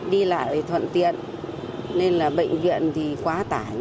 đi lại thuận tiện nên là bệnh viện thì quá tải